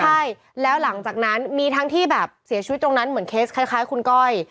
ใช่แล้วหลังจากนั้นมีทั้งที่แบบเสียชีวิตตรงนั้นเหมือนเคสคล้ายคุณก้อย